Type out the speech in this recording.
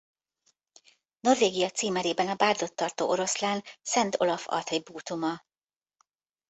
Norvégia címerében a bárdot tartó oroszlán Szent Olaf attribútuma.